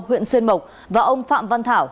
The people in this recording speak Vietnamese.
huyện xuyên mộc và ông phạm văn thảo